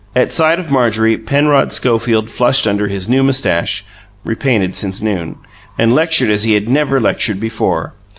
At sight of Marjorie, Penrod Schofield flushed under his new moustache (repainted since noon) and lectured as he had never lectured before.